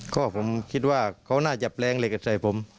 ก็ผมคิดว่าเขาน่าจะแปลงเหล็กใส่ผม